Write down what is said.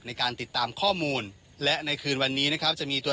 อย่างที่สองคือขอให้ช่วยดูแลผู้ที่รอด